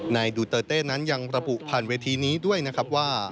ดูเตอร์เต้นั้นยังระบุผ่านเวทีนี้ด้วยนะครับว่า